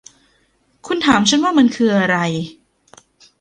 คุณถามฉันว่ามันคืออะไร